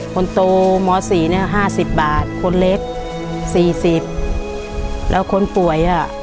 คนโตหมอสี่เนี่ย๕๐บาทคนเล็ก๔๐แล้วคนป่วยอ่ะ